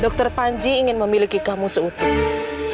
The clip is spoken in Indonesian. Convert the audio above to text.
dokter panji ingin memiliki kamu seukurnya